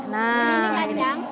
nah ini kacang